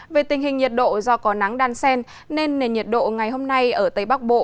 về tình hình nhiệt độ do có nắng đan sen nên nền nhiệt độ ngày hôm nay ở tây bắc bộ